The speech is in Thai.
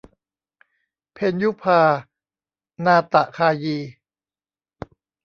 เพ็ญยุภา นาฏคายี